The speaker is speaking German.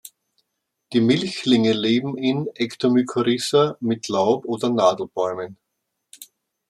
Die Milchlinge leben in Ektomykorrhiza mit Laub- oder Nadelbäumen.